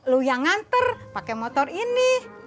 lu yang nganter pakai motor ini